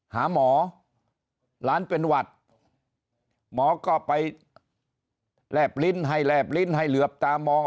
หาหมอหลานเป็นหวัดหมอก็ไปแลบลิ้นให้แลบลิ้นให้เหลือบตามอง